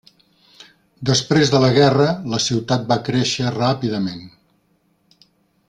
Després de la guerra la ciutat va créixer ràpidament.